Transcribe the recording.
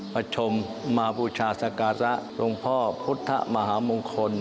ประชุมมาบูชาสการะหลวงพ่อพุทธมหามงคล